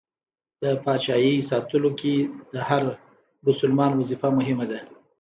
د پاچایۍ ساتلو کې د هر بسلمان وظیفه مهمه ده.